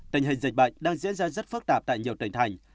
tình hình dịch bệnh đang diễn ra rất phức tạp tại nhiều tỉnh thành